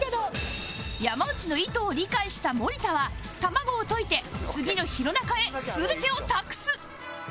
山内の意図を理解した森田は卵を溶いて次の弘中へ全てを託す